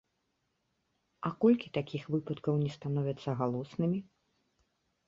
А колькі такіх выпадкаў не становяцца галоснымі?